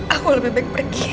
aku lebih baik pergi